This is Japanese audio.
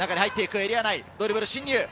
エリア内、ドリブルで侵入。